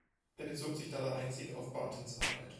Er bezog sich dabei einzig auf Bartons Arbeit.